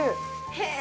へえ！